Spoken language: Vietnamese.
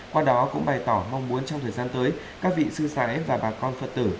qua đó cũng bày tỏ mong muốn trong thời gian tới các vị sư sán và bà con phật tử